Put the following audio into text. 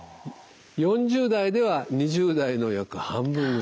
４０代では２０代の約半分ぐらい。